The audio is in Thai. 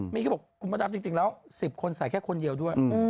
มีเขาบอกคุณพระดำจริงแล้ว๑๐คนใส่แค่คนเดียวด้วย